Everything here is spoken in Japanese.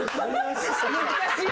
難しい！